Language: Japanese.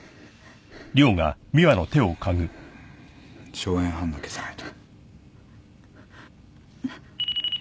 硝煙反応消さないと。